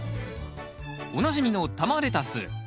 おなじみの玉レタス。